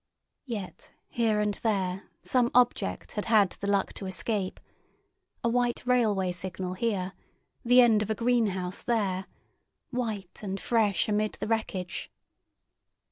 Yet here and there some object had had the luck to escape—a white railway signal here, the end of a greenhouse there, white and fresh amid the wreckage.